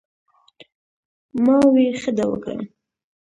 " ـ ما وې " ښۀ دې وکړۀ " ـ